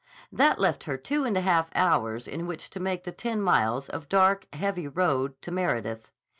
That left her two and a half hours in which to make the ten miles of dark, heavy road to Meredith.